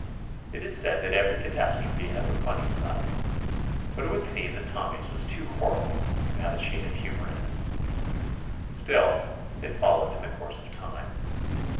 It is said that every catastrophe has a funny side, but it would seem that Tommy's was too horrible to have a shade of humor in it. Still, it fol lowed in the course of time.